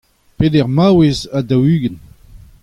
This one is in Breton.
peder maouez ha daou-ugent.